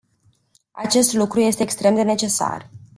Acest lucru este extrem de necesar.